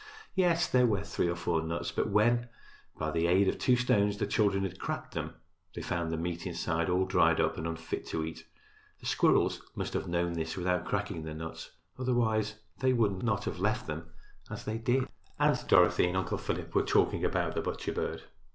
Yes, there were three or four nuts, but when, by the aid of two stones, the children had cracked them, they found the meat inside all dried up and unfit to eat. The squirrels must have known this without cracking the nuts, otherwise they would not have left them as they did. Aunt Dorothy and Uncle Philip were talking about the butcher bird.